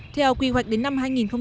theo quy hoạch đến năm hai nghìn hai mươi